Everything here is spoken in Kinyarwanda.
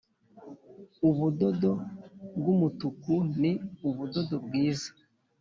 Ubudodo bw umutuku ni ubudodo bwiza